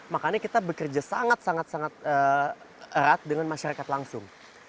makanya kita bekerja sangat sangat sangat erat dengan masyarakat langsung